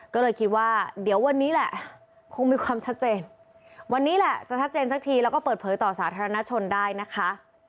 ก็เลยคิดว่าเดี๋ยววันนี้แหละคงมีความชัดเจนวันนี้แหละจะชัดเจนสักทีแล้วก็เปิดเผยต่อสาธารณชนได้นะคะ